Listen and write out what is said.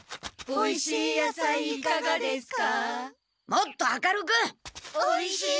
おいしいやさいいかがですか。